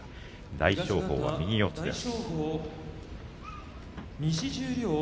大翔鵬、右四つです。